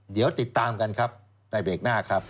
เดี๋ยวติดตามกันครับในเบรกหน้าครับ